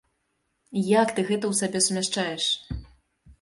Як ты гэта ў сабе сумяшчаеш?